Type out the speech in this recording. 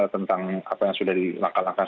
tentang apa yang sudah di langkah langkah